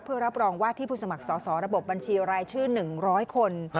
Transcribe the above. เพื่อรับรองว่าที่ผู้สมัครสอบระบบบัญชีรายชื่อ๑๐๐คน